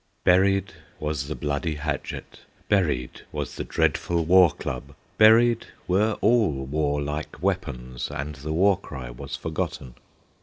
Buried was the bloody hatchet, Buried was the dreadful war club, Buried were all warlike weapons, And the war cry was forgotten.